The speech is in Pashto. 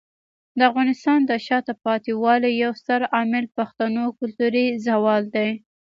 د افغانستان د شاته پاتې والي یو ستر عامل پښتنو کلتوري زوال دی.